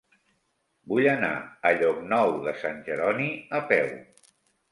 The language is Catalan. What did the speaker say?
Vull anar a Llocnou de Sant Jeroni a peu.